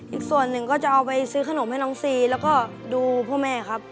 อีกส่วนหนึ่งก็จะเอาไปซื้อขนมให้น้องซีแล้วก็ดูพ่อแม่ครับ